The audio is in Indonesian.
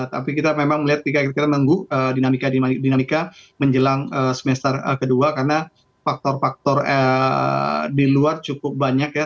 tapi kita memang melihat kita menunggu dinamika dinamika menjelang semester kedua karena faktor faktor di luar cukup banyak ya